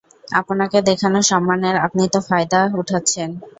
আপনাকে দেখানো সম্মানের আপনি তো ফয়দা উঠাচ্ছেন।